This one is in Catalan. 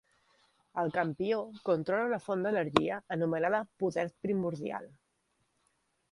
El Campió controla una font d'energia anomenada Poder primordial.